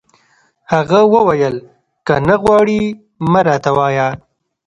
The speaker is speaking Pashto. هغه وویل: که نه غواړي، مه راته وایه.